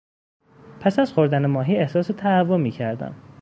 پس از خوردن ماهی احساس تهوع میکردم.